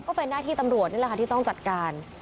ก็เป็นหน้าที่ตำรวจที่ต้องจัดการ